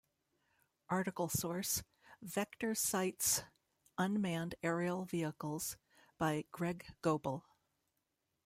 Article source: Vectorsite's "Unmanned Aerial Vehicles" by Greg Goebel.